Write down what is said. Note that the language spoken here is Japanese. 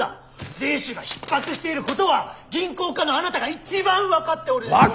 税収がひっ迫していることは銀行家のあなたが一番分かっておるでしょうが。